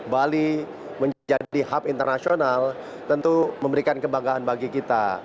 bali menjadi hub internasional tentu memberikan kebanggaan bagi kita